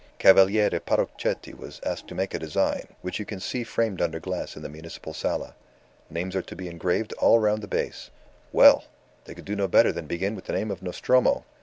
Cavaliere Parrochetti was asked to make a design, which you can see framed under glass in the Municipal Sala. Names are to be engraved all round the base. Well! They could do no better than begin with the name of Nostromo.